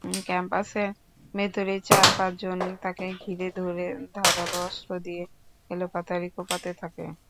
ক্যাম্পাসের ভেতরেই চার-পাঁচজন তাঁকে ঘিরে ধরে ধারালো অস্ত্র দিয়ে এলোপাতাড়ি কোপাতে থাকে।